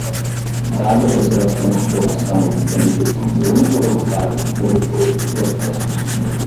dadas as relações de produção existentes, o único resultado de todos estes progressos